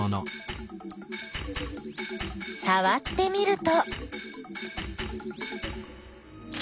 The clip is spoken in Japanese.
さわってみると。